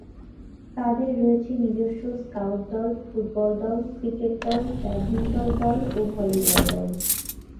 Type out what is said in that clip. তাদের রয়েছে নিজস্ব স্কাউট দল, ফুটবল দল, ক্রিকেট দল, ব্যাডমিন্টন দল ও ভলিবল দল।